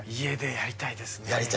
やりたい。